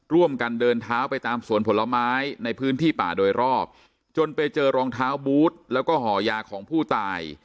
เดินเท้าไปตามสวนผลไม้ในพื้นที่ป่าโดยรอบจนไปเจอรองเท้าบูธแล้วก็ห่อยาของผู้ตาย